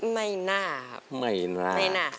ไม่น่าครับ